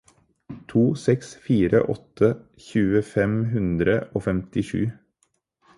to seks fire åtte tjue fem hundre og femtisju